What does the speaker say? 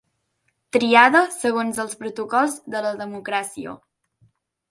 Triada segons els protocols de la democràcia.